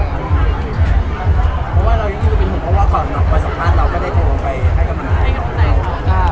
แล้วพอได้ฝากน้องประสงครั้งไปแล้ว